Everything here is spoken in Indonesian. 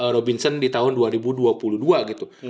robinson di tahun dua ribu dua puluh dua gitu